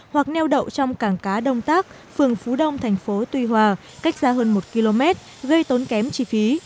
hoặc neo đậu trong cảng cá đông tác phường phú đông thành phố tuy hòa cách xa hơn một km gây tốn kém chi phí